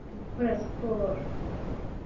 gukora siporo